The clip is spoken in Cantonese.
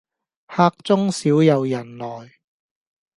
客中少有人來，